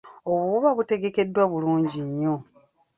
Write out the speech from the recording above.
Obwo buba butegekeddwa bulungi nnyo.